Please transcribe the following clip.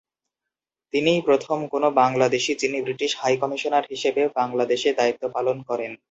তিনিই প্রথম কোন বাংলাদেশী যিনি ব্রিটিশ হাই কমিশনার হিসেবে বাংলাদেশে দায়িত্ব পালন করেন।